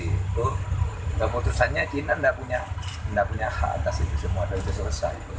itu keputusannya china tidak punya hak atas itu semua dan itu selesai